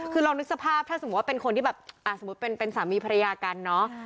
คือลองนึกสภาพถ้าสมมุติว่าเป็นคนที่เป็นสามีภรรยากัน